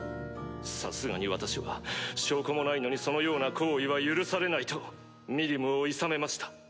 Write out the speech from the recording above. さすがに私は証拠もないのにそのような行為は許されないとミリムを諫めました。